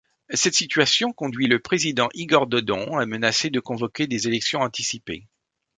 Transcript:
Cette situation conduit le président Igor Dodon a menacer de convoquer des élections anticipées.